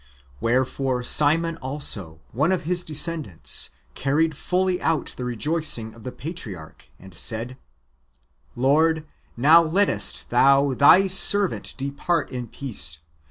Wherefore Simeon also, one of his descendants, carried fully out the rejoicing of the patriarch, and said :" Lord, now lettest Thou Thy servant depart in peace.